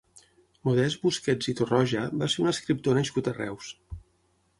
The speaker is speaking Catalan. Modest Busquets i Torroja va ser un escriptor nascut a Reus.